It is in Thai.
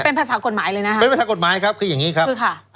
เป็นภาษากฎหมายเลยนะคะเป็นภาษากฎหมายครับคืออย่างนี้ครับคือค่ะ